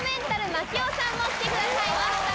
槙尾さん来てくださいました。